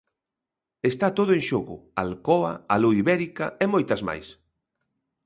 Está todo en xogo, Alcoa, Alu Ibérica e moitas máis.